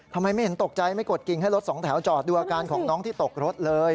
ทำไมไม่เห็นตกใจไม่กดกิ่งให้รถสองแถวจอดดูอาการของน้องที่ตกรถเลย